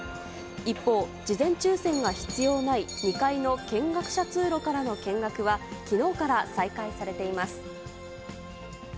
一方、事前抽せんが必要ない２階の見学者通路からの見学はきのうから再開されています。